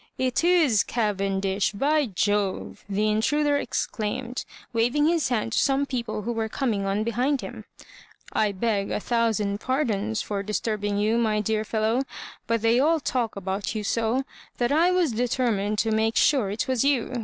" It is Cavendish, by Jove I" the intruder exclaimed, waving his hand to some people who were coming on behind him. "I beg a thousand pardons for disturbing you, my dear fellow ; but they all talk about you so, that I was determined to make sure it was you.